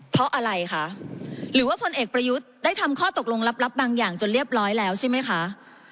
เพราะอะไรคะหรือว่าพลเอกประยุทธ์ได้ทำข้อตกลงลับบางอย่างจนเรียบร้อยแล้วใช่ไหมคะ